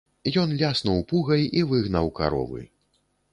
Ён ляснуў пугай і выгнаў каровы.